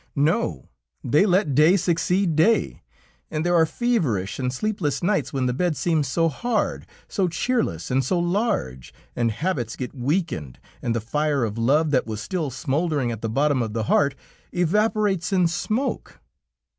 No, they let day succeed day, and there are feverish and sleepless nights when the bed seems so hard, so cheerless and so large, and habits get weakened and the fire of love that was still smoldering at the bottom of the heart evaporates in smoke.